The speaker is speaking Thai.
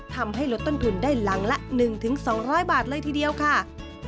ทำให้ลดต้นทุนได้หลังละ๑๒๐๐บาทเลยทีเดียวค่ะ